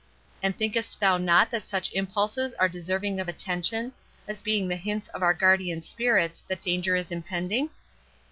—And thinkest thou not that such impulses are deserving of attention, as being the hints of our guardian spirits, that danger is impending?"